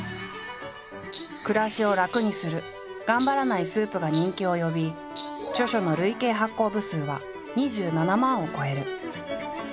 暮らしを楽にする頑張らないスープが人気を呼び著書の累計発行部数は２７万を超える。